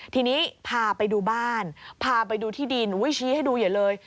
ทีนี้พาไปดูบ้านพาไปดูที่ดินชี้ให้ดูใหญ่เลย